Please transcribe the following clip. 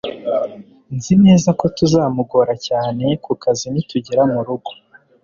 Nzi neza ko tuzamugora cyane kukazi nitugera murugo